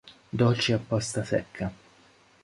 Dolci a pasta secca.